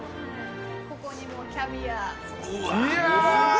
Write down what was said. ここにキャビア。